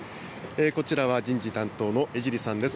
こちらは人事担当の江尻さんです。